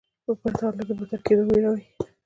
په بد حالت کې د بدتر کیدو ویره وي.